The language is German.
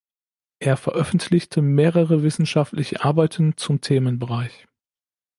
Er veröffentlichte mehrere wissenschaftliche Arbeiten zum Themenbereich.